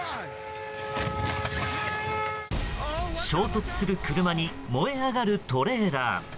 衝突する車に燃え上がるトレーラー。